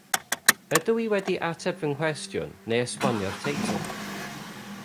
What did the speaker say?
Ydw i wedi ateb fy nghwestiwn neu esbonio'r teitl